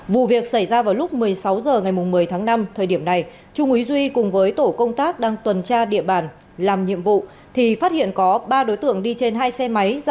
vụ việc xảy ra vào lúc một mươi sáu h ngày một mươi tháng năm thời điểm này trung úy duy cùng với tổ công tác đang tuần tra địa bàn làm nhiệm vụ thì phát hiện có ba đối tượng đi trên hai xe máy